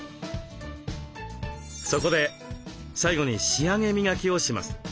そこで最後に仕上げ磨きをします。